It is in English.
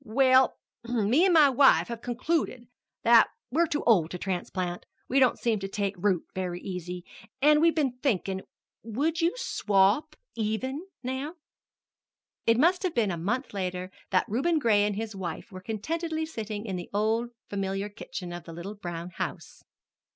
"Well, me and my wife have concluded that we're too old to transplant we don't seem to take root very easy and we've been thinkin' would you swap even, now?" It must have been a month later that Reuben Gray and his wife were contentedly sitting in the old familiar kitchen of the little brown house.